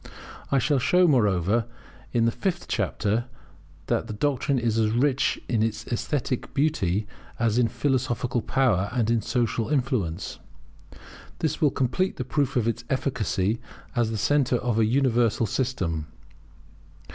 I shall show, moreover, in the fifth chapter, that the doctrine is as rich in esthetic beauty as in philosophical power and in social influence. This will complete the proof of its efficacy as the centre of a universal system.